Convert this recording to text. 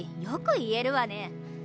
よく言えるわね。